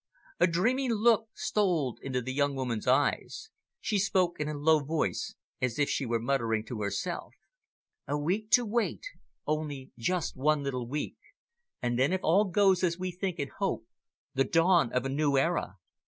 A dreamy look stole into the young woman's eyes. She spoke in a low voice, as if she were muttering to herself. "A week to wait, only just one little week. And then, if all goes as we think and hope the dawn of the new era!